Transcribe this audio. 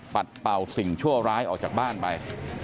เป่าสิ่งชั่วร้ายออกจากบ้านไป